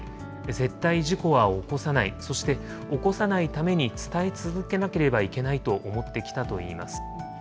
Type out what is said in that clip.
絶対事故は起こさない、そして起こさないために、伝え続けなければいけないと思ってきたといいます。